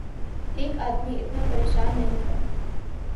ایک آدمی اتنا پریشان نہیں تھا۔